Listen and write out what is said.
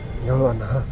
ya allah ana